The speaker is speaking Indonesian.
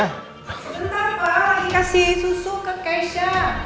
sebentar pak lagi kasih susu ke keisha